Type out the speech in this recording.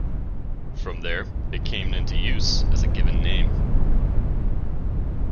From there, it came into use as a given name.